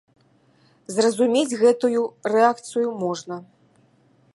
Зразумець гэткую рэакцыю можна.